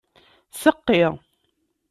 Seqqi.